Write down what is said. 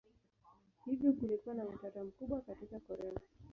Hivyo kulikuwa na utata mkubwa katika Korea.